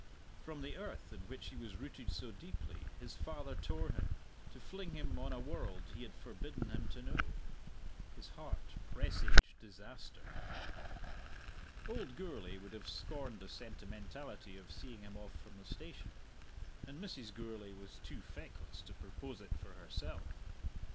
From the earth in which he was rooted so deeply his father tore him, to fling him on a world he had forbidden him to know. His heart presaged disaster. Old Gourlay would have scorned the sentimentality of seeing him off from the station, and Mrs. Gourlay was too feckless to propose it for herself.